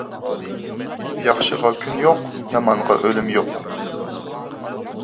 ياخشىغا كۈن يوق، يامانغا ئۈلۈم يوق.